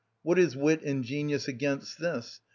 What is wit and genius against this?